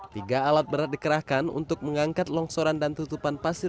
tiga alat berat dikerahkan untuk mengangkat longsoran dan tutupan pasir